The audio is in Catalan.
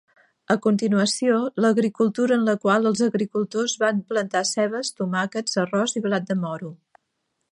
A continuació, l'agricultura en la qual els agricultors van plantar cebes, tomàquets, arròs i blat de moro.